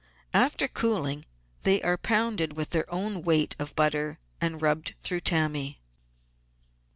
After cooling they are pounded with their own weight of butter and rubbed through tammy.